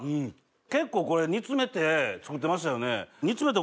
結構これ煮詰めて作ってましたよね。